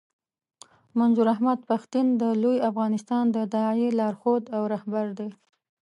منظور احمد پښتين د لوی افغانستان د داعیې لارښود او رهبر دی.